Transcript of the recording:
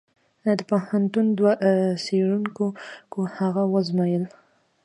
د پوهنتون دوو څېړونکو هغه وزمویله.